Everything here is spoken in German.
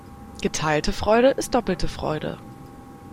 Geteilte Freude ist doppelte Freude.